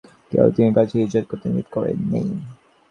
তিনি কাউকে হিজরত করতে নিষেধ করেন নি।